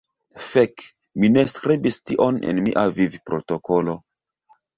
Fek, mi ne skribis tion en mia vivprotokolo.